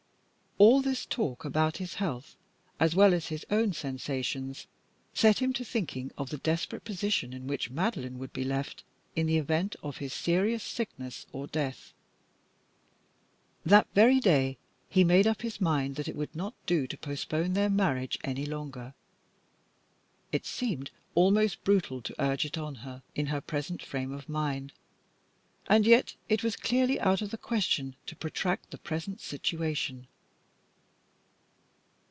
All this talk about his health; as well as his own sensations, set him to thinking of the desperate position in which Madeline would be left in the event of his serious sickness or death. That very day he made up his mind that it would not do to postpone their marriage any longer. It seemed almost brutal to urge it on her in her present frame of mind, and yet it was clearly out of the question to protract the present situation.